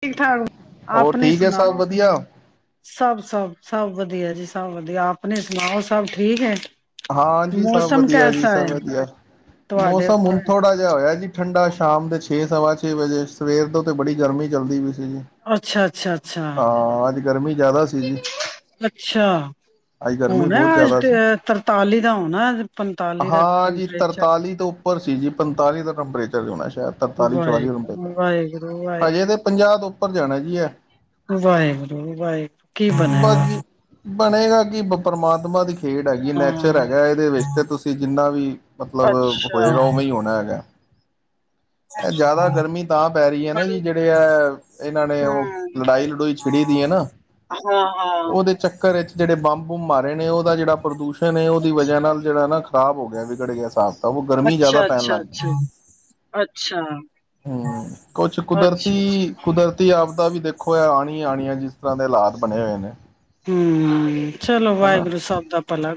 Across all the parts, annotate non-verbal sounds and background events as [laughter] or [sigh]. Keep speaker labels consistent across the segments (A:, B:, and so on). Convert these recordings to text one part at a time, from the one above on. A: ਠੀਕ ਠਾਕ
B: ਹੋਰ
A: ਆਪਣੇ
B: ਠੀਕ ਹੈ ਸਭ
A: ਸੁਣਾਓ
B: ਵਧੀਆ
A: ਸਭ ਸਭ ਸਭ ਵਧੀਆ ਜੀ, ਸਭ ਵਧੀਆ, ਆਪਣੇ ਸੁਣਾਓ ਸਭ ਠੀਕ ਹੈ।
B: ਹਾਂ ਜੀ, ਸਭ
A: ਮੌਸਮ
B: ਵਧੀਆ ਜੀ
A: ਕੈਸਾ ਹੈ
B: ਸਭ ਵਧੀਆ,
A: ਤੁਹਾਡੇ
B: ਮੌਸਮ
A: ਉੱਥੇ
B: ਹੁਣ ਥੋੜਾ ਜਿਹਾ ਹੋਇਆ ਜੀ। ਠੰਡਾ ਸ਼ਾਮ ਦੇ ਛੇ ਸਵਾ ਛੇ ਵਜੇ ਸਵੇਰ ਤੋਂ ਤੇ ਬੜੀ ਗਰਮੀ ਚੱਲਦੀ ਵੀ
A: ਅੱਛਾ -ਅੱਛਾ -ਅੱਛਾ
B: ਅੱਜ ਗਰਮੀ ਜ਼ਿਆਦਾ ਸੀ ਜੀ
A: -ਅੱਛਾ
B: ਅੱਜ ਗਰਮੀ
A: ਹੁਣ ਆ
B: ਬਹੁਤ
A: ਅਜ
B: ਜ਼ਿਆਦਾ
A: ਤੇ
B: ਸੀ ਹਾਂ ਜੀ
A: ਟੈਂਪਰੇਚਰ
B: ਤਰਤਾਲੀ ਤੋਂ ਉੱਪਰ ਸੀ ਜੀ ਪੰਤਾਲੀ ਦਾ ਟੈਂਪਰੇਚਰ ਹੋਣਾ ਸ਼ਾਇਦ ਤਰਤਾਲੀ ਚੁਾਲੀ ਦਾ ਟੈਮਰੇਚਰ
A: ਵਾਹਿਗੁਰੂ ਵਾਹਿਗੁਰੂ
B: ਪਾਜੀ ਏ
A: ਵਾਹਿਗੁਰੂ
B: ਤੇ ਪੰਜਾ ਤੋਂ ਉੱਪਰ ਜਾਣਾ ਜੀ ਹੈ।
A: ਵਾਹਿਗੁਰੂ ਵਾਹਿਗੁਰੂ ਕੀ
B: ਬਸ
A: ਬਣੇਗਾ
B: ਜੀ ਬਣੇਗਾ ਕਿ ਪਰਮਾਤਮਾ ਦੀ ਖੇਡ ਹੈਗੀ ਮੈਂ ਫੇਰ
A: ਹਾਂ
B: ਹੈਗਾ ਇਹਦੇ ਵਿੱਚ ਤੇ ਤੁਸੀਂ ਜਿੰਨਾ ਵੀ ਮਤਲਬ
A: ਅੱਛਾ
B: ਹੋਏਗਾ ਉਵੇਂ ਹੀ ਹੋਣਾ ਹੈਗਾ। ਇਹ ਜ਼ਿਆਦਾ ਗਰਮੀ ਤਾਂ ਪੈ ਰਹੀ ਹੈ। ਨਾ
A: ਬਲ-
B: ਜੀ ਜਿਹੜੇ ਹੈ। ਇਹਨਾਂ ਨੇ
A: ਹਾਂ
B: ਉਹ ਲੜਾਈ ਛਿੜੀ ਦੀ ਹੈ। ਨਾ
A: ਹਾਂ ਹਾਂ
B: ਉਹਦੇ ਚੱਕਰ ਵਿੱਚ ਜਿਹੜੇ ਬੰਬ ਬੰਬ ਮਾਰੇ ਨੇ ਉਹਦਾ ਜਿਹੜਾ ਉਹਦੀ ਵਜ੍ਹਾ
A: ਅੱਛਾ
B: ਨਾਲ ਜਿਹੜਾ ਨਾ ਖ਼ਰਾਬ ਹੋ ਗਿਆ ਵਿਗੜ ਗਿਆ ਹਿਸਾਬ ਕਿਤਾਬ, ਤਾਂ ਉਹ ਗਰਮੀ ਜ਼ਿਆਦਾ
A: ਅੱਛਾ
B: ਪੈਣ
A: ਅੱਛਾ ਅੱਛਾ
B: ਲੱਗ ਪਇ,
A: ਅੱਛਾ
B: ਹੂ ਕੁਛ
A: ਅੱਛਾ ਅੱਛਾ
B: ਕੁਦਰਤੀ ਕੁਦਰਤੀ ਆਪਦਾ ਵੀ ਦੇਖੋ ਹੈ। ਆਣੀ ਆਣੀਆਂ। ਜਿਸ ਤਰ੍ਹਾਂ ਦੇ ਹਾਲਾਤ ਬਣੇ ਹੋਏ ਨੇ
A: ਹੂ
B: ਹੈਨਾ,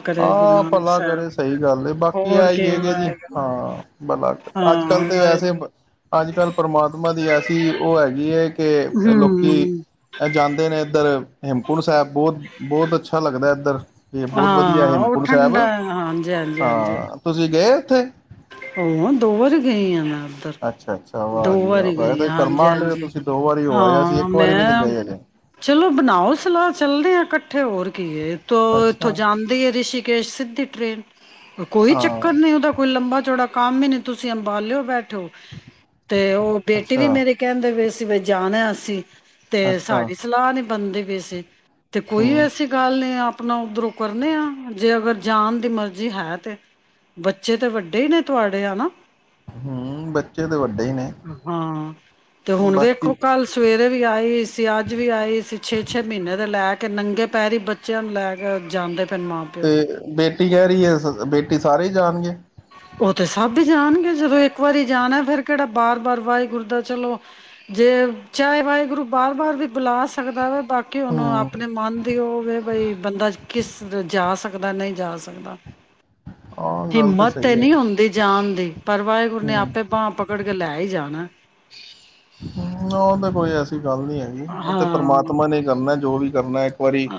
A: ਕਰੇ ਗੁਰੂ
B: ਹਾਂ
A: ਨਾਨਕ
B: ਭਲਾ
A: ਸਾਹਿਬ।
B: ਕਰੇ ਸਹੀ ਗੱਲ ਬਾਕੀ
A: ਹੋਰ
B: ਆ
A: ਕੀ
B: ਹੀ ਹੈ ਕਿ ਜੀ,
A: ਵਾਹਿਗੁਰੂ
B: ਹਾਂ ਬਲਾ ਅੱਜ ਕੱਲ
A: ਹਾਂ
B: ਤੇ ਵੈਸੇ
A: ਵਾਹਿਗੁਰੂ
B: ਅੱਜ ਕੱਲ੍ਹ ਪਰਮਾਤਮਾ ਦੀ ਐਸੀ ਉਹ ਹੈਗੀ ਹੈ। ਕੇ ਲੋਕੀ
A: ਹੂੰ।
B: ਜਾਂਦੇ ਨੇ ਇੱਧਰ ਹੇਮਕੁੰਟ ਸਾਹਿਬ ਬਹੁਤ ਅੱਛਾ ਐ ਧਰ ਇਹ ਬਹੁਤ ਵਧੀਆ
A: ਹਾਂ ਉਹ
B: ਹੇਮਕੁੰਟ ਸਾਹਿਬ,
A: ਠੰਡਾ ਹਾਂਜੀ
B: ਹਾਂ ਤੁਸੀਂ ਗਏ ਅੱਠਰ [inaudible]
A: ਹਾਂ, ਦੋ ਵਾਰੀ ਗਈ ਹਾਂ, ਮੈਂ ਉੱਧਰ
B: ਅੱਛਾ ਅੱਛਾ ਵਾਹ
A: ਦੋ
B: ਜੀ ਵਾਹ
A: ਵਾਰੀ
B: ਵੈਸੇ
A: ਗਈ ਹ
B: ਤੇ
A: ਹਾਂਜੀ
B: ਕਰਮਾਂ ਵਾਲੇ ਹੋ
A: ਹਾਂਜੀ
B: ਤੁਸੀਂ ਦੋ ਵਾਰੀ ਹੋ ਆਏ ਅਸੀਂ
A: ਹਾਂ
B: ਇੱਕ ਵਾਰੀ ਵੀ ਨਹੀਂ
A: ਮੈਂ,
B: ਗਏ ਹਜੇ
A: ਚਲੋ ਬਣਾਓ ਸਲਾਹ ਚੱਲਦੇ ਆ। ਇੱਥੇ ਹੋਰ ਕੀ ਹੈ। ਤੋ ਇੱਥੋਂ
B: ਅੱਛਾ
A: ਜਾਂਦੀ ਹੈ, ਰਿਸ਼ੀਕੇਸ਼ ਸਿੱਧੀ ਟਰੇੇਨ ਕੋਈ
B: ਹਾਂ
A: ਚੱਕਰ ਨਹੀਂ ਉਹਦਾ ਕੋਈ ਲੰਬਾ ਇਨਾ ਕੰਮ ਵੀ ਨਹੀਂ ਤੁਸੀਂ ਅੰਬਾਲਿਓ ਬੈਠੋ ਤੇ ਉਹ ਬੇਟੀ ਵੀ
B: ਅੱਛਾ
A: ਮੇਰੀ ਕਹਿੰ ਦੇ ਪਏ ਸੀ। ਕਿਵੇ ਜਾਣਾ ਅਸੀਂ ਤੇ
B: ਅੱਛਾ
A: ਸਾਡੀ ਸਲਾਹ ਨੀ ਬਣਦੀ ਵੀ ਸੀ ਤੇ ਕੋਈ
B: ਹੂੰ
A: ਐਸੀ ਗੱਲ ਨਹੀਂ ਆਪ ਆਪਣਾ ਉੱਧਰੋਂ ਕਰਨੇ ਆ ਜੇ ਅਗਰ ਜਾਨ ਦੀ ਮਰਜ਼ੀ ਹੈ ਤੇ ਬੱਚੇ ਤੇ ਵੱਡੇ ਤਿੰਨ ਨੇ ਤੁਹਾਡੇ ਹਨਾ।
B: ਹੂੰ ਬੱਚੇ ਤਾਂ ਵੱਡੇ ਹੀ ਨੇ
A: ਹਾਂ ਤੇ ਹੁਣ
B: ਬਾਕੀ
A: ਵੇਖੋ ਕੱਲ ਸਵੇਰੇ ਵੀ ਆਈ ਅਸੀਂ ਤੇ ਅੱਜ ਵੀ ਆਈ ਅਸੀ ਛੇ ਛੇ ਮਹੀਨੇ ਦੇ ਲੈ ਕੇ ਕਿ ਨੰਗੇ ਪੈਰੀ ਬੱਚਿਆਂ ਨੂੰ ਲੈ ਕੇ ਜਾਂਦੇ ਪਏ ਨੇ ਮਾਂ
B: ਤੇ
A: ਪਿਓ
B: ਬੇਟੀ ਕਹਿ ਰਹੀ ਹੈ ਬੇਟੀ ਕਿ ਸਾਰੇ ਹੀ ਜਾਣਗੇ।
A: ਉਹ ਤੇ ਸਭ ਹੀ ਜਾਣਗੇ ਜਦੋਂ ਇੱਕ ਵਾਰੀ ਜਾਣਾ ਫੇਰ ਕਿਹੜਾ ਬਾਰ ਬਾਰ ਵਾਹਿਗੁਰੂ ਦਾ ਚਲੋ ਜੇ ਚਾਹੇ ਵਾਹਿਗੁਰੂ ਬਾਰ ਬਾਰ ਵੀ ਬੁਲਾ ਸਕਦਾ ਵਾ। ਬਾਕੀ ਉਹਨੂੰ
B: ਹਮ
A: ਆਪਣੇ ਮਨ ਦੀ ਹੋਵੇ ਬਈ ਬੰਦਾ ਕਿਸ ਜਾ ਸਕੇ। ਦਾ ਨਹੀਂ ਜਾ ਸਕਦਾ।
B: ਹਾਂ ਗੱਲ ਤਾਂ
A: ਹਿੰਮਤ
B: ਸਹੀ
A: ਤੇ
B: ਹੈ
A: ਨਹੀਂ ਹੁੰਦੀ ਜਾਣ ਦੀ ਪਰ ਵਾਹਿਗੁਰੂ ਨੇ
B: ਹਮ
A: ਆਪੇ ਬਾਹ ਪਕੜ ਕੇ ਲੈ ਹੀ ਜਾਣਾ।
B: ਹੂੰ ਉਹ ਤਾਂ ਕੋਈ ਐਸੀ ਗੱਲ ਨੀ ਹੈਗੀ ਉਹ ਤੇ
A: ਹਾਂ
B: ਪਰਮਾਤਮਾ ਨੇ ਕਰਨਾ ਜੋ ਵੀ ਕਰਨਾ। ਵਾਰੀ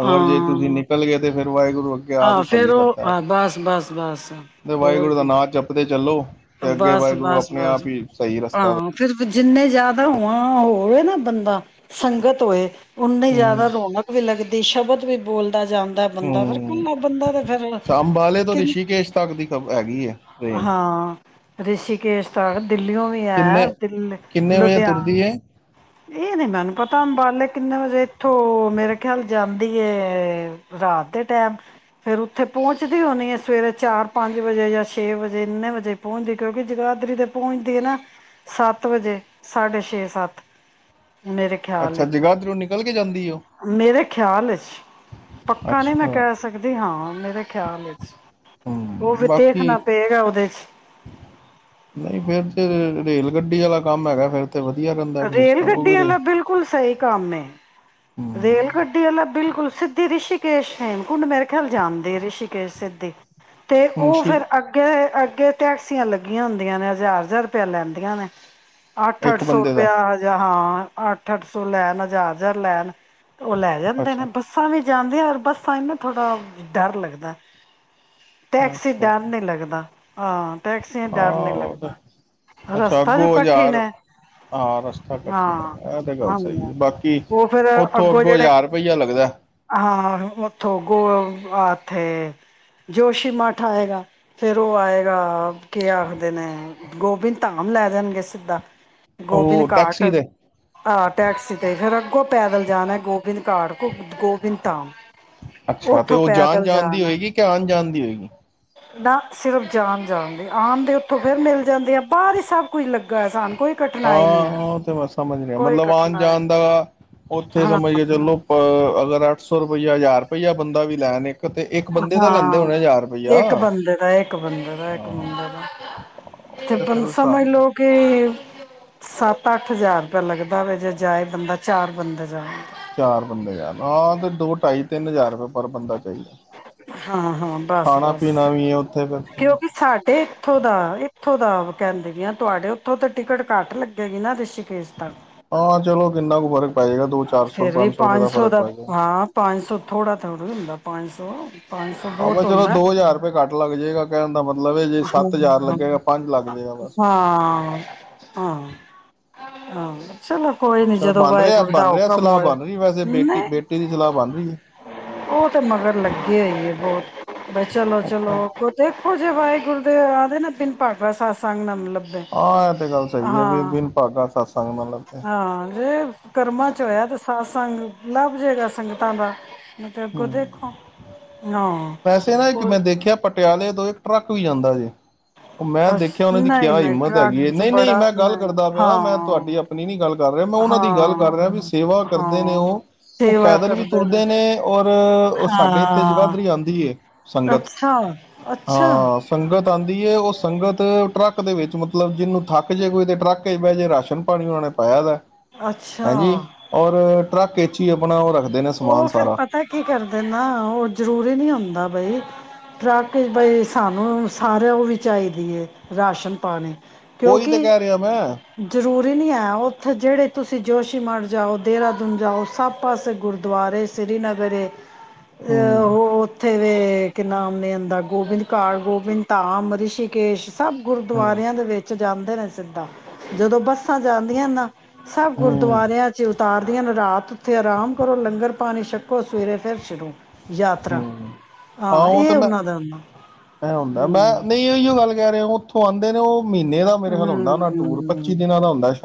B: ਅਗਰ ਜੇ ਤੁਸੀਂ ਨਿਕਲ ਗਏ ਤੇ ਫਿਰ ਵਾਹਿਗੁਰੂ ਅੱਗੇ ਆਪ
A: ਆਹੋ
B: ਹੀ
A: ਫੇਰ
B: ਭਲੀ ਕਰਦਾ
A: ਉਹ
B: ਹੈ
A: ਆ ਬਸ ਬਸ ਬਸ
B: ਤੇ
A: ਹੋਰ
B: ਵਾਹਿਗੁਰੂ ਦਾ
A: ਕੀ।
B: ਨਾਂ ਜਪਦੇ ਚੱਲੋ ਤੇ ਅੱਗੇ
A: ਬਸ
B: ਵਾਹਿਗੁਰੂ
A: ਬਸ
B: ਆਪਣੇ
A: ਬਸ
B: ਆਪ ਹੀ ਸਹੀ ਰਸਤਾ
A: ਹਾਂ ਫਿਰ ਜਿੰਨੇ ਜ਼ਿਆਦਾ ਹੋ ਹੋਵੇ ਨਾ ਬੰਦਾ ਸੰਗਤ ਹੋਏ ਓਨੀ
B: ਹਮ
A: ਜ਼ਿਆਦਾ ਰੌਣਕ ਵੀ ਲੱਗਦੀ ਸੰਗਤ ਵੀ ਬੋਲ
B: ਹੂੰ
A: ਫਿਰ
B: ਸ ਅੰਬਾਲੇ ਤੋਂ
A: ਕਿ
B: ਰਿਸ਼ੀਕੇਸ਼ ਤੱਕ ਦੀ ਹੈਗੀ ਹੈ ਟ੍ਰੇਨ।
A: ਹਾਂ ਰਿਸ਼ੀਕੇਸ਼ ਤੱਕ ਦਿੱਲੀਓ ਵੀ ਹੈ
B: ਕਿੰਨੇ
A: ਦਿੱਲੀ
B: ਕਿੰਨੇ ਵਜੇ
A: ਲੁਧਿਆਣਾ
B: ਤੁਰਦੀ ਹੈ
A: ਇਹ ਨੀ ਮੈਨੂੰ ਪਤਾ ਅੰਬਾਲੇ ਕਿੰਨੇ ਵਜੇ ਇੱਥੋਂ ਮੇਰੇ ਖਿਆਲ ਜਾਂਦੀ ਰਾਤ ਦੇ ਟੈਮ ਫੇਰ ਉੱਥੇ ਪਹੁੰਚਦੀ ਹੋਣੀ ਹੈ ਸਵੇਰੇ ਚਾਰ ਪੰਜ ਵਜੇ ਜਾਂ ਛੇ ਵਜੇ ਇੰਨੇ ਵਜੇ। ਪਹੁੰਚਦੀ ਕਿਉਂਕਿ ਜਗਾਦਰੀ ਤੇ ਪਹੁੰਚਦੀ ਹੈ ਨਾ ਸੱਤ ਵਜੇ ਸਾਡੇ ਛੇ ਸੱਤ ਮੇਰੇ ਖਿਆਲ ਵਿੱਚ
B: ਚਲ ਕੇ ਜਾਂਦਾ।
A: ਮੇਰੇ ਖਿਆਲ ਚ ਪੱਕਾ ਨਹੀਂੀ ਮੈਂ
B: ਅੱਛਾ
A: ਕਹਿ ਸਕਦੀ ਹਾਂ ਮੇ ਦੇ ਖਿਆਲ ਵਿੱਚ ਉਹ
B: ਹੂੰ
A: ਵੀ
B: ਬਾਕੀ
A: ਦੇਖਣਾ ਪਏਗਾ ਉਹਦੇ ਚ
B: ਨਹੀਂ ਫੇਰ ਤੇ ਰੇਲ ਗੱਡੀ ਵਾਲਾ ਕੰਮ ਹੈਗਾ ਫੇਰ ਤੇ ਵਧੀਆ ਰਹਿੰਦਾ
A: ਰੇਲ
B: ਸਿਸਟਮ
A: ਗੱਡੀ
B: ਕਿਉਂਕਿ
A: ਵਾਲਾ ਬਿਲਕੁਲ ਸਹੀ ਕੰਮ
B: ਹੂੰ
A: ਰੇਲ ਗੱਡੀ ਵਾਲਾ ਬਿਲਕੁਲ ਸਿੱਧੀ ਰਿਸ਼ੀਕੇਸ਼ ਹੇਮਕੁੰਡ ਮੇਰੇ ਖਿਆਲ ਜਾਣਦੇ ਰਿਸ਼ੀਕੇਸ਼ ਸਿੱਧੀ ਤੇ
B: ਹੁਣ
A: ਉਹ
B: ਸ਼ਿਰ
A: ਫੇਿਰ ਅੱਗੇ ਅ ਅੱਗੇ ਟੈਕਸੀਆਂ ਲੱਗੀਆਂ ਹੁੰਦੀਆਂ ਨੇ ਹਜ਼ਾਰ ਹਜ਼ਾਰ ਰੁਪਆ ਲੈਂਦੀਆਂ ਨੇ ਅੱਠ ਅੱਠ
B: ਇੱਕ
A: ਸੌ
B: ਬੰਦੇ ਦਾ
A: ਰੁਪਇਆ ਹਜਹਾ ਹਾਂ ਅੱਠ ਅੱਠ ਸੌ ਲੈਣ ਹਜ਼ਾਰ ਹਜ਼ਾਰ ਲੈਣ ਉਹ ਲੈ ਜਾਂਦੇ ਨੇ
B: ਅੱਛਾ
A: ਬੱਸਾਂ ਵਿੱਚ ਜਾਂਦੇ ਆ ਯਾਰ ਬਸ ਤਾਂ ਇਹਨਾ ਥੋੜਾ ਡਰ ਲੱਗਦਾ ਟੈਕਸੀ
B: ਅੱਛਾ
A: ਡਰਮ ਨੀ ਲੱਗਦਾ ਹਾਂ ਟੈਕਸ ਡਰ ਨੀ
B: ਆਹ ਤੇ
A: ਲੱਗਦਾ
B: ਅੱਛਾ
A: ਰਸਤਾ ਜੋ
B: ਅੱਗੋਂ
A: ਕਠਨ
B: ਹਜ਼ਾਰ
A: ਹੈ
B: ਹਾਂ ਰਸਤਾ
A: ਹਾਂ
B: ਕਠਿਨ ਹੈ
A: ਹਾਂ ਉਹ ਫੇਿਰ
B: ਤ ਤੋਂ ਅੱਗੋਂ ਹਾਰ ਰੁਪਈਆ ਲੱਗਦਾ
A: ਹਾਂ ਉੱਥੋਂ ਗੋ ਇੱਥੇ ਜੋਸ਼ੀ ਮਠ ਆਏਗਾ ਫਰ ਉਹ ਆਏਗਾ ਕੀ ਆਖਦੇ ਨੇ ਗੋਬਿੰਨ ਧਾਮ ਲੈ ਦੇਣਗੇ ਸਿੱਧਾ ਗੋਬਿੰਦ
B: ਉਹ
A: ਘਾਟ
B: ਟੈਕਸੀ ਦੇ
A: ਆਹ ਟੈਕਸੀ ਤੇ ਫੇਿਰ ਅੱਗੋਂ ਪੈਦਲ ਜਾਣਾ ਗੋਬਿੰਦ ਕਾਰ ਘੁ ਉਦ ਗੋਵਿੰਦਦਾ
B: ਅੱਛਾ ਤੇ ਉਹ ਜਾਣ ਜਾਣ ਦੀ ਹੋਏਗੀ ਕਿ ਅਣ ਜਾਣ ਦੀ ਹੋਏਗੀ
A: ਨਾ ਸਿਰਫ ਜਾਣ ਜਾਣਦੇ ਆਉਣ ਦੇ ਉੱਥੋਂ ਫਿਰ ਮਿਲ ਜਾਂਦੇ ਆ ਬਾਹਰ ਹੀ ਸਭ ਕੁਝ ਲੱਗਾ ਹੈ ਸਾਨੂੰ ਕੋਈ ਕਠਿਨਾਈ ਨਹੀਂ ਹੈ
B: ਹਾਂ ਤੇ ਮੈਂ ਸਮਝ ਨਹੀਂਹੀ
A: ਕੋਈ
B: ਮਤਲਬ ਆਉਣ
A: ਕਠਿਨਾਈ
B: ਜਾਣ ਦਾ ਉੱਥੇ
A: ਹਾਂ
B: ਸਮਝ ਕੇ ਚਲੋ ਅ ਅਗਰ ਅੱਠ ਸੌ ਰੁਪਈਆ ਹਜ਼ਾਰ ਰੁਪਈਆ ਬੰਦਾ ਵੀ ਲੈਣ ਤੇ ਇੱਕ ਬੰਦੇ ਦਾ ਲੈਂਦੇ
A: ਹਾਂ
B: ਹੋਣੇ ਹਜ਼ਾਰ ਰੁਪਈਆ
A: ਇੱਕ ਬੰਦੇ ਦਾ ਇੱਕ ਬੰਦੇ ਦਾ ਇੱਕ
B: ਹਾਂ
A: ਬੰਦੇ ਦਾ
B: ਫਿਰ
A: ਤੇ
B: ਉਸ ਹਿਸਾਬ
A: ਸਮਝ
B: ਨਾਲ
A: ਲੋਓ ਕਿ ਸੱਤ ਅੱਠ ਹਜ਼ਾਰ ਰੁਪਇ ਲੱਗਦਾ ਵ ਜੇ ਜਾਏ ਬੰਦਾ ਚਾਰ ਬੰਦਾ ਜਾਵੇ
B: ਚਾਰ ਬੰਦੇ ਜਾਣ ਆ ਤੇ ਦੋ ਢਾਈ ਤਿੰਨ ਹਜ਼ਾਰ ਰੁਪਏ ਪਰ ਬੰਦਾ ਚਾਹੀਦਾ
A: ਹਾਂ ਹਾਂ ਬਸ
B: ਖਾਣਾ
A: ਬਸ
B: ਪੀਣਾ ਵੀ ਹੈ ਉੱਥੇ ਫਿਰ
A: ਕਿਉਂਕਿ ਸਾਡੇ ਇੱਥੋਂ ਦਾ ਉੱਥੋਂ ਦਾ ਕਹਿੰਦੇ ਤੁਹਾਡੇ ਉੱਥੋਂ ਤਾਂ ਟਿਕਟ ਘੱਟ ਲੱਗੇਗੀ ਨਾ ਰਿਸ਼ੀ
B: ਹਾਂ ਚਲੋ ਕਿੰਨਾ ਕੁ ਫ਼ਰਕ ਪੈ ਜਾਏਗਾ ਦੋ ਚਾਰ ਸੌ
A: ਫੇਰ ਵੀ
B: ਪੰਜ ਸੋ ਰੁਪਏ ਦਾ ਫਰਕ ਪੈ ਜਾਏਗਾ
A: ਥੋੜ੍ਹਾਥੋ੍ਹਾ ਹੁੰ ਪੰਜ ਉਹ
B: ਆਹ ਚਲੋ ਦੋ ਹਜ਼ਾਰ ਰੁਪਏ ਘੱਟ ਲੱਗ ਜਾਏਗਾ ਕਹਿਦਾ ਮਤਲਬ ਇਹ ਜੇ ਸੱਤ ਹਜ਼ਾਰ
A: ਹਾਂ
B: ਲੱਗੇਗਾ ਪੰਜ ਲੱਗ ਜਾਏਗਾ ਬਸ
A: ਹਾਂ ਹਾਂ ਹਾਂ ਚਲੋ ਕੋਈ ਨੀ
B: ਅੱਛਾ
A: ਜਦੋਂ
B: ਬਣ ਰਿਹਾ
A: ਵਾਹਿਗੁਰ ਦਾ
B: ਬਣ ਰਿਹਾ
A: ਹੁਕਮ
B: ਸਲਾਹ
A: ਹੋਏ।
B: ਬਣ ਰਹੀ ਵੈਸੇ ਬੇਟੀ
A: ਨਹੀਂ,
B: ਬੇਟੀ ਦੀ ਸਲਾਹ ਬਣ ਰਹੀ ਹੈ।
A: ਉਹ ਤੇ ਮਗਰ ਲੱਗੇ। [unintelligible] ਬਹੁਤ ਬਾਈ ਚਲੋ ਚਲੋ
B: ਅੱਛਾ।
A: ਕੋਤੇ ਉਹ ਜੇ ਵਾਹਿਗੁਰੂ ਦੇ ਆਦੇ ਨਾ ਤਿੰਨ ਪਾਰਟ ਵਾ ਸਤਿਸੰਗ ਨਾ ਮਤਲਬ
B: ਇਹ ਤੇ ਗੱਲ ਸਹੀ ਹੈ ਵੀ
A: ਹਾਂ
B: ਬਿਨ ਭਾਗਾ ਸਤਸੰਗ ਮਤਲਬ ਤੇ
A: ਹਾਂ, ਜੇ ਕਰਮਾਂ ਚ ਹੋਇਆ ਤੇ ਸਤਸੰਗ ਲੱਭ ਜਾਏਗਾ ਸੰਗਤਾਂ ਦਾ। ਅੱਗੋਂ
B: ਹੂੰ
A: ਦੇਖੋ। ਹਾਂ
B: ਵੈਸੇ ਨਾ ਇੱਕ ਮੈਂ
A: ਕੋਈ
B: ਦੇਖਿਆ ਪ ਪਟਿਆਲੇ ਤੋਂ ਇੱਕ ਟਰੱਕ ਵੀ ਜਾਂਦਾ ਜੇ। ਮੈਂ
A: ਬਸ
B: ਦੇਖਿਆ ਉਹਨਾਂ ਦੀ
A: ਨਹੀਂ
B: ਕਿਆ
A: ਨਹੀਂ
B: ਹਿੰਮਤ ਹੈਗੀ
A: ਟਰੱਕ
B: ਐ।
A: ਚ
B: ਨਹੀਂ ਨਹੀਂ
A: ਬੜਾ
B: ਮੈਂ ਗੱਲ
A: ਨਹੀਂ
B: ਕਰਦਾ ਪਿਆ।
A: ਹਾਂ
B: ਮੈਂ ਤੁਹਾਡੀ ਆਪਣੀ ਨਹੀਂ ਗੱਲ ਕਰ ਰਿਹਾ। ਮੈਂ ਉਹਨਾਂ ਦੀ ਗੱਲ ਕਰ
A: ਹਾਂ
B: ਰਿਹਾ ਵੀ ਸੇਵਾ ਕਰਦੇ ਨੇ
A: ਹਾਂ
B: ਉਹ, ਉਹ
A: ਸੇਵਾ
B: ਪੈਦਲ ਵੀ
A: ਕਰਦੇ
B: ਤੁਰਦੇ ਨੇ। ਔਰ ਉਹ ਸਾਡੇ ਇੱਥੇ
A: ਹਾਂ
B: ਜਗਾਧਰੀ ਆਉਂਦੀ ਐ, ਸੰਗਤ।
A: ਅੱਛਾ ਅੱਛਾ
B: ਹਾਂ ਸੰਗਤ ਆਉਂਦੀ ਐ, ਉਹ ਸੰਗਤ ਟਰੱਕ ਦੇ ਵਿੱਚ ਮਤਲਬ ਜਿਹਨੂੰ ਥੱਕ ਜੇ ਕੋਈ ਤਾਂ ਟਰੱਕ ਕਈ ਵਾਰ ਜੇ ਰਾਸ਼ਨ ਪਾਣੀ ਉਹਨਾਂ ਨੇ ਪਾਇਆ ਦਾ। ਹਾਂਜੀ
A: ਅੱਛਾ
B: ਔਰ ਟਰੱਕ ਇਹ ਆਪਣਾ ਉਹ ਰੱਖਦਾ। ਦੇ ਨੇ ਸਮਾਨ
A: ਉਹ ਫਿਰ
B: ਸਾਰਾ।
A: ਪਤਾ ਕੀ ਕਰਦੇ ਨਾ ਉਹ ਜ਼ਰੂਰੀ ਨਹੀਂ ਹੁੰਦਾ ਬਈ। ਟਰੱਕ ਬਈ ਸਾਨੂੰ ਸਾਰਿਆਂ ਉਹ ਵੀ ਚਾਹੀਦੀ ਐ, ਰਾਸ਼ਨ ਪਾਣੀ।
B: ਉਹੀ ਤੇ
A: ਕਿਉਂਕਿ
B: ਕਹਿ ਰਿਹਾ ਮੈਂ
A: ਜ਼ਰੂਰੀ ਨਹੀਂ ਐ, ਉੱਥੇ ਜਿਹੜੇ ਤੁਸੀਂ ਜੋਸ਼ੀ ਮਠ ਜਾਓ, ਦੇਹਰਾਦੂਨ ਜਾਓ, ਸਭ ਪਾਸੇ ਗੁਰ ਦੁਆਰੇ ਸ੍ਰੀਨਗਰ ਐ। ਅਹ
B: ਹੂੰ
A: ਉਹ ਉੱਥੇ ਦੇ ਕੀ ਨਾਮ ਨੇ ਆਂਦਾ, ਗੋਬਿੰਦ ਕਾਲ, ਗੋਬਿੰਦ ਧਾਮ, ਰਿਸ਼ੀਕੇਸ਼। ਸਭ
B: ਹੂੰ
A: ਗੁਰਦੁਆਰਿਆਂ ਦੇ ਵਿੱਚ ਜਾਂਦੇ ਨੇ। ਇੱਦਾਂ ਜਦੋਂ ਬੱਸਾਂ ਜਾਂਦੀਆਂ ਨਾ। ਸਭ
B: ਹੂੰ
A: ਗੁਰਦੁਆਰਿਆਂ ਚ ਉਤਾਰ ਰਾਤ ਉੱਥੇ ਆਰਾਮ ਕਰੋ ਲੰਗਰ ਪਾਣੀ ਛੱਕੋ, ਸਵੇਰੇ ਫਿਰ ਸ਼ੁਰੂ। ਯਾਤਰਾ
B: ਹੂੰ, ਹਾਂ ਉਹ ਤੇ
A: ਇਹ
B: ਮੈਂ
A: ਉਹਨਾਂ ਦਾ ਹੁੰਦਾ
B: ਮੈਂ ਹੁੰਦਾ ਮੈਂ
A: ਹੂੰ
B: ਨਹੀਂ ਉਹੀ ਓ ਗੱਲ ਕਹਿ ਰਿਹਾ ਉਥੋਂ ਉਹ ਆਉਂਦੇ ਨੇ ਉਹ ਮਹੀਨੇ ਦਾ ਮੇਰੇ ਖਿਆਲ
A: ਹੂੰ
B: ਹੁੰਦਾ ਉਹਨਾਂ ਦਾ ਟੂਰ, ਪੱਚੀ
A: ਹੂੰ,
B: ਦਿਨਾਂ ਦਾ ਹੁੰਦਾ ਸ਼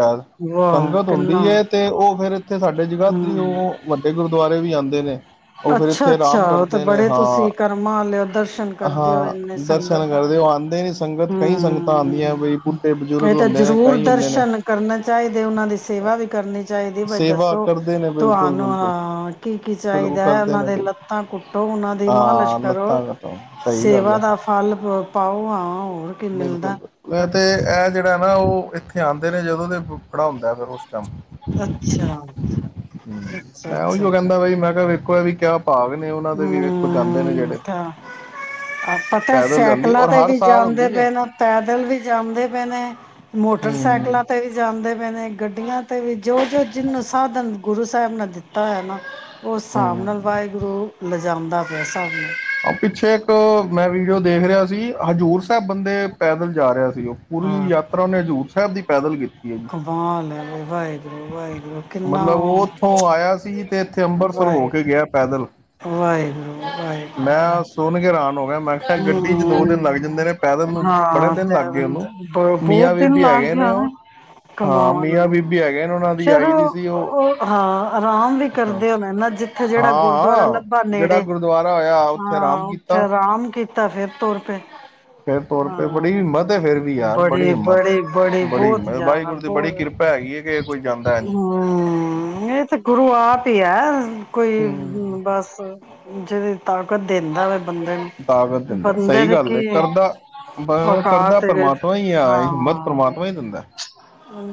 A: ਵਾਹ
B: ਸੰਗਤ ਹੁੰਦੀ
A: ਕਿੰਨਾ
B: ਐ ਤੇ ਉਹ ਫਿਰ ਇੱਥੇ ਸਾਡੇ ਜਗਾਦਰੀ
A: ਹੂੰ
B: ਉਹ ਵੱਡੇ ਗੁਰਦੁਆਰੇ ਵੀ ਆਉਂਦੇ ਨੇ। ਉਹ ਫਿਰ
A: ਅੱਛਾ
B: ਇੱਥੇ
A: ਅੱਛਾ
B: ਰਾਮ
A: ਤੇ ਬੜੇ ਤੁਸੀਂ ਕਰਮਾਂ ਲਿਓ ਦਰਸ਼ਨ ਕਰਦੇ ਹੋ
B: ਹਾਂ
A: ਇੰਨੇ ਸੰਗਤ
B: ਦਰਸ਼ਨ
A: ਦਾ
B: ਕਰਦੇ ਉਹ ਆਉਂਦੇ ਨੇ ਸੰਗਤ ਕਈ ਸੰਗਤਾਂ ਆਉਂਦੀਆਂ
A: ਹਮ
B: ਬਈ ਬੁੱਢੇ ਬਜ਼ੁਰਗ
A: ਇਹ ਤਾਂ
B: ਹੁੰਦੇ ਨੇ
A: ਜ਼ਰੂਰ
B: ਕਈ ਹੁੰਦੇ ਨੇ
A: ਦਰਸ਼ਨ ਕਰਨੇ ਚਾਹੀਦੇ ਉਹਨਾਂ ਦੀ ਸੇਵਾ ਵੀ ਕਰਨੀ ਚਾਹੀਦੀ ਬਾਈ
B: ਸੇਵਾ
A: ਦੱਸੋ
B: ਕਰਦੇ ਨੇ ਬਿਲਕੁਲ
A: ਤੁਹਾਨੂੰ
B: ਬਿਲਕੁਲ
A: ਹਾਂ ਕੀ ਕੀ
B: ਬਿਲਕੁਲ
A: ਚਾਹੀਦਾ
B: ਕਰਦੇ
A: ਉਹਨਾਂ
B: ਨੇ
A: ਦੇ
B: ਬਿਲਕੁਲ
A: ਲੱਤਾਂ ਕੁੱਟੋ ਉਹਨਾਂ ਦੀ ਮਾਲਸ਼
B: ਹਾਂ
A: ਕਰੋ
B: ਲੱਤਾਂ ਕਟੋ ਸਹੀ ਗੱਲ
A: ਸੇਵਾ
B: ਹੈ
A: ਦਾ ਫਲ ਪਾਓ ਹਾਂ ਹੋਰ ਕੀ
B: ਬਿਲਕੁਲ
A: ਮਿਲਦਾ
B: ਬਿਲਕੁਲ ਇਹ ਤੇ ਇਹ ਜਿਹੜਾ ਨਾ ਉਹ ਇੱਥੇ ਆਉਂਦੇ ਨੇ ਜਦੋਂ ਤੇ ਪੜਾ ਹੁੰਦਾ ਫਿਰ ਉਸ
A: ਅੱਛਾ ਅੱਛਾ
B: ਮੈਂ
A: ਅੱਛਾ
B: ਉਹੀਓ ਕਹਿੰਦਾ ਬਾਈ ਮੈਂ ਕਿਹਾ ਕੋ ਵੀ ਕਿਆ ਭਾਗ ਨੇ ਉਹਨਾਂ ਦੇ ਵੀ ਵੇਖੋ ਜਾਂਦੇ ਨੇ
A: ਹੂੰ
B: ਜਿਹੜੇ
A: ਤਾਂ
B: ਪੈਦਲ ਜਾਂਦੀ ਔਰ ਹਰ ਸਾਲ ਹੁੰ
A: ਪ ਪੈਦਲ ਵੀ ਜਾਂਦੇ ਪਏ ਨੇ
B: ਹਮ
A: ਮੋਟਰਸਾਈਕਲਾਂ ਤੇ ਵੀ ਜਾਂਦੇ ਨੇ ਗੱਡੀਆਂ ਤੇ ਵੀ ਜੋ ਜੋ ਜਿਹਨੂੰ ਸਾਧਨ ਗੁਰੂ ਸਾਹਿਬ ਨੇ ਦਿੱਤਾ ਹੈ ਨਾ ਉਸ ਹਿਸਾਬ
B: ਹਮ
A: ਨਾਲ ਵਾਹਿਗੁਰੂ ਲਜਾਦਾ ਪੈਸ
B: ਪਿੱਛੇ ਇੱਕ ਮੈਂ ਵੀਡੀਓ ਦੇਖ ਰਿਹਾ ਸੀ ਹਜ਼ੂਰ ਸਾਹਿਬ ਬੰਦੇ ਪੈਦਲ ਜਾ ਰਿਹਾ ਸੀ ਪੂਰੀ ਯਾਤਰਾ ਉਹੇ ਹਜ਼ੂਰ ਸਾਹਿਬ ਦੀ ਪੈਦਲ ਕੀਤਾ
A: ਕਬਾਲ ਵਾਹਿਗੁਰੂ ਵਾਹਿਗੁਰੂ ਕਿੰਨਾ
B: ਮਤਲਬ ਉਹ ਉੱਥੋਂ ਆਇਆ ਸੀ ਤੇ ਇੱਥੇ ਅੰਮ੍ਰਿਤਸਰ ਹੋ
A: ਵਾਹਿ
B: ਕੇ ਗਿਆ ਪੈਦਲ
A: ਵਾਹਿਗੁਰੂ ਵਾਹਿਗੁਰੂ
B: ਆਪ ਗੱਡੀ ਚ ਦੋ
A: ਹਮ,
B: ਦਿਨ ਲੱਗ ਜਾਂਦੇ ਨੇ ਪੈਦਲ ਨੂੰ ਬੜੇ
A: ਹਾਂ
B: ਦਿਨ
A: ਤੇ
B: ਲੱਗ ਗਏ ਉਹਨੂੰ
A: ਬਹੁਤ
B: ਮੀਆਂ
A: ਦਿਨ
B: ਬੀਬੀ
A: ਲੱਗ
B: ਹੈਗੇ ਨੇ
A: ਗਿਆ
B: ਉਹ
A: ਨਾ
B: ਹਾਂ ਮੀਆਂ ਬੀਬੀ ਹੈਗੇ ਨੇ ਦੀ
A: ਫਰ
B: ਆਈ ਦੀ
A: ਉਹ
B: ਸੀ
A: ਹਾਂ ਹਾਂ ਆਰਾਮ ਵੀ
B: ਹਾਂ
A: ਕਰਦੇ ਹੋਣਾਨਾ ਜ
B: ਹਾਂ ਜਿਹੜਾ ਗੁਰਦੁਆਰਾ ਹੋਇਆ ਉੱਥੇ
A: ਹਾਂ
B: ਆਰਾਮ
A: ਉੱਥੇ
B: ਕੀਤਾ
A: ਆਰਾਮ ਕੀਤਾ ਫੇਿਰ ਤੁਰੁਪਏ
B: ਫਿਰ ਤੌਰ ਤੇ ਬੜੀ
A: ਹਾਂ
B: ਹਿੰਮਤ ਹੈ ਫਿਰ ਵੀ ਯਾਰ ਬੜੀ
A: ਬੜੇ
B: ਹਿੰਮਤ ਹੈ।
A: ਬੜੇ ਬੜੇ
B: ਬੜੀ
A: ਬਹੁਤ
B: ਹਿੰਮਤ
A: ਜ਼ਿਆਦਾ
B: ਵਾਹਿਗੁਰੂ ਦੀ ਬੜੀ
A: ਬਹੁਤ
B: ਕਿਰਪਾ ਹੈਗੀ ਹੈ ਕਿ ਕੋਈ ਜਾਂਦਾ ਇੰਝ
A: ਹਮ ਇਹ ਤੇ ਗੁਰੂ ਆਪ ਹੀ ਹੈ ਕੋਈ
B: ਹੂੰ
A: ਬਸ ਜਦੋਂ ਤਾਕਤ ਦਿੰਦਾ ਹੋ ਬੰਦੇ ਨੇ
B: ਤਾਕਤ ਦਿੰਦਾ ਸਹੀ ਗੱਲ ਤੇ ਕਰਦਾ ਕਰਦਾ
A: ਔਕਾਤ ਹੈਗੇ
B: ਪ੍ਰਮਾਤਮਾ ਹੀ ਆ ਹਿੰਮਤ
A: ਹਾਂ
B: ਪ੍ਰਮਾਤਮਾ ਹੀ ਦਿੰਦਾ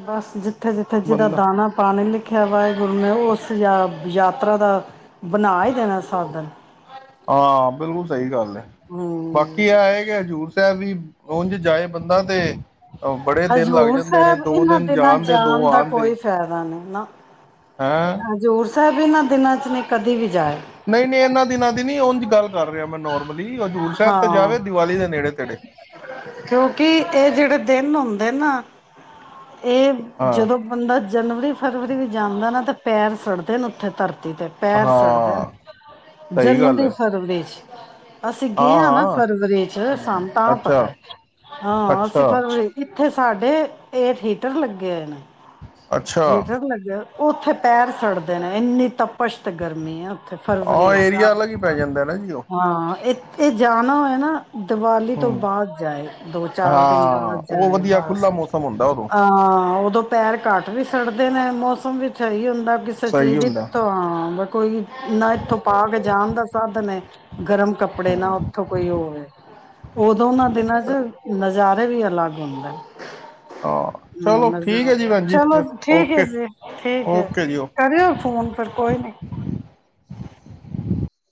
A: ਬਸ ਜਿੱੇ ਜੱਥੇ ਜਿੱਥੇ ਜਿਹਦਾ
B: ਬੰਦਾ
A: ਦਾਣਾ ਪਾਣੀ ਲਿਖਿਆ ਵਾਹਿਗੁਰੂ ਨੇ ਉਸ ਯਾਬ ਜਾਤਰਾ ਦਾ ਬਣਾ ਹੀ ਦੇਣਾ ਸਾਧਨ
B: ਹਾਂ ਬਿਲਕੁਲ ਸਹੀ ਗੱਲ
A: ਹਮ
B: ਬਾਕੀ ਆ ਆਏ ਗ ਹਜ਼ੂਰ ਵੀ ਉਝ ਜਾਏ ਬੰਦਾ ਤੇ ਬੜੇ ਦਿਨ ਲੱਗ
A: ਹਜ਼ੂਰ
B: ਜਾਂਦੇ ਨੇ
A: ਸਾਹਿਬ
B: ਦੋ
A: ਇਹਨਾਂ
B: ਦਿਨ
A: ਦਿਨਾਂ
B: ਦੇ ਦੋ
A: ਜਾਣ ਦਾ
B: ਆਣ ਦੇ
A: ਕੋਈ ਫਾਇਦਾ ਨਹੀਂ ਨਾ
B: ਹੈਂ
A: ਹਜ਼ੂਰ ਸਾਹਿਬ ਇਨਾ ਦਿਨਾਂ ਚ ਨੀ
B: ਨਹੀਂ ਨਹੀਂ ਇਹਨਾਂ ਦਿਨਾਂ ਦੀ ਨੀ ਉਂਝ ਗੱਲ ਕਰ ਰਿਹਾ ਮੈਂ ਨੋਰਮਲ
A: ਹਾਂ
B: ਤੇੜੇ
A: ਕਿਉਂਕਿ ਇਹ ਜਿਹੜੇ ਦਿਨ ਹੁੰਦੇ [unintelligible] ਇਹ
B: ਹਾਂ
A: ਜਦੋਂ ਬੰਦਾ ਜਨਵਰੀ ਫਰਵਰੀ ਵਿੱਚ ਜਾਂਦਾ ਨਾ ਤੇ ਪੈਰ ਸੜਦੇ ਨੇ ਉੱਥੇ ਤਰ ਤੇ ਪੈਰ ਸੜਦੇ
B: ਹਾਂ ਸਹੀ ਗੱਲ
A: ਜਨਵਰੀ
B: ਹੈ
A: ਫਰਵਰੀ ਚ ਅਸੀਂ ਗਏ
B: ਹਾਂ
A: ਆਂ ਨਾ
B: ਹਾਂ
A: ਫਰਵਰੀ ਚ ਸਾਨੂੰ ਤਾਂ
B: ਅੱਛਾ
A: ਪਤਾ ਹਾਂ ਅਸੀਂ
B: ਅੱਛਾ
A: ਫਰਵਰੀ ਇੱਥੇ ਸਾਡੇ ਏਅਰ ਹੀਟਰ ਲੱਗੇ ਹੋਏ ਨੇ
B: ਅੱਛਾ
A: ਹੀਟਰ ਲੱਗਿਆ ਉੱਥੇ ਪੈਰ ਸੜਦੇ ਨੇ ਇੰਨੀ ਤਪਸ਼ ਤੇ ਗਰਮੀ ਆ
B: ਆਹ ਏਰੀਆ ਅਲੱਗ ਹੀ ਪੈ ਜਾਂਦਾ ਨਾ ਜੀ ਉਹ
A: ਹਾਂ ਇਹ ਇਹ ਜਾਣਾ ਹੋਵੇ ਨਾ ਦੀਵਾਲੀ ਤੋਂ
B: ਹਮ
A: ਬਾਅਦ ਜਾਏ, ਦੋ ਚਾਰ ਦਿਨ ਬਾਅਦ
B: ਹਾਂ ਉਹ
A: ਜਾਏ,
B: ਵਧੀਆ
A: ਬਸ
B: ਖੁੱਲਾ ਮੌਸਮ ਹੁੰਦਾ ਉਦੋਂ
A: ਅਹ ਉਦੋਂ ਪੈਰ ਘੱਟ ਵੀ ਸੜਦੇ ਨੇ ਮੌਸਮ [unintelligible] ਕਿਸੇ
B: ਸਹੀ
A: ਚੀਜ਼
B: ਹੁੰਦਾ
A: ਦੀਥੋਂ ਹਾਂ ਕੋਈ ਨਾ ਇੱਥੋਂ ਪਾ ਕੇ ਜਾਣ ਦਾ ਸਾਧਨ ਹੈ ਗਰਮ ਕੱਪੜੇ ਨਾ
B: ਹੂੰ
A: ਉੱਥੋਂ ਕੋਈ ਹੋਵੇ ਉਦੋ ਨਾ ਦਿਨਾਂ ਚ
B: ਚਲੋ
A: ਨਜ਼ਾਰ ਕਦੇ ਵੀ ਅਲੱਗ ਹੁੰਦਾ।
B: ਹਾਂ ਚਲੋ ਠੀਕ ਹੈ ਜੀ
A: [unintelligible]
B: ਭੈਣ ਜੀ
A: ਚਲੋ
B: ਫਿਰ
A: ਠੀਕ ਹੈ
B: ਓਕੇ
A: ਜੀ ਠੀਕ ਹੈ
B: ਓਕੇ ਜੀ ਓ
A: ਕਰਿਓ ਫੋਨ ਫਿਰ ਕੋਈ ਨੀ